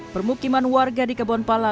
permukiman warga di kebonpala